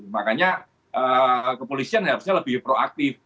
makanya kepolisian harusnya lebih proaktif